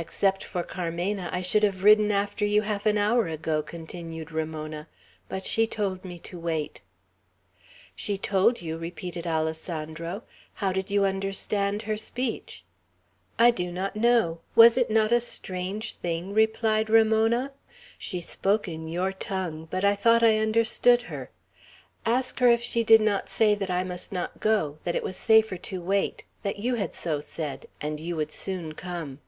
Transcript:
"Except for Carmena, I should have ridden after you half an hour ago," continued Ramona. "But she told me to wait." "She told you!" repeated Alessandro. "How did you understand her speech?" "I do not know. Was it not a strange thing?" replied Ramona. "She spoke in your tongue, but I thought I understood her, Ask her if she did not say that I must not go; that it was safer to wait; that you had so said, and you would soon come."